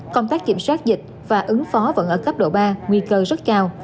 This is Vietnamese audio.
công tác kiểm soát dịch và ứng phó vẫn ở cấp độ ba nguy cơ rất cao